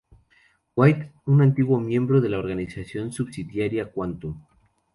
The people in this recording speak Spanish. White, un antiguo miembro de la organización subsidiaria Quantum.